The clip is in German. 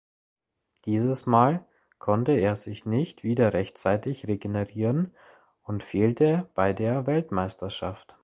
Dieses Mal konnte er sich nicht wieder rechtzeitig regenerieren und fehlte bei der Weltmeisterschaft.